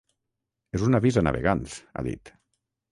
És un avís a navegants, ha dit.